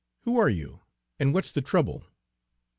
Who are you, and what's the trouble?"